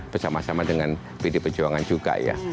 bersama sama dengan pd perjuangan juga ya